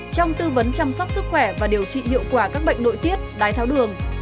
trong tư vấn chăm sóc sức khỏe và điều trị hiệu quả các bệnh nội tiết đái tháo đường